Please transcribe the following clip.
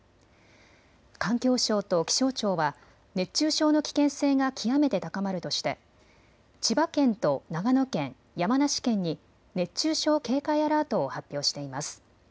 環境省と気象庁は熱中症の危険性が極めて高まるとして千葉県と長野県、山梨県に熱中症警戒アラートを発表しています。